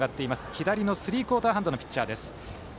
左のスリークオーターハンドのピッチャーです。